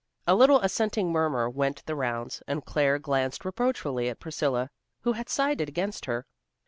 A little assenting murmur went the rounds, and Claire glanced reproachfully at Priscilla, who had sided against her.